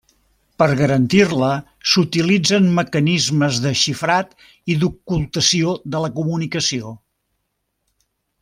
Per garantir-la s'utilitzen mecanismes de xifrat i d'ocultació de la comunicació.